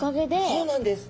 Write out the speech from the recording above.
そうなんです。